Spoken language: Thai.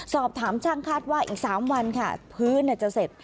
สอบถามช่างคาดว่าอีก๓วันค่ะพื้นจะเสร็จ